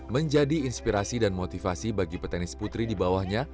menjadi inspirasi dan motivasi bagi petenis putri di bawahnya